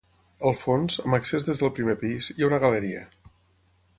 Al fons, amb accés des del primer pis, hi ha una galeria.